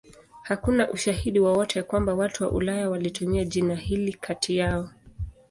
Hakuna ushahidi wowote kwamba watu wa Ulaya walitumia jina hili kati yao.